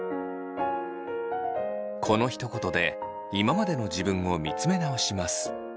このひと言で今までの自分を見つめ直します。